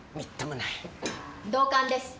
同感です。